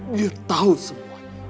dia tahu semuanya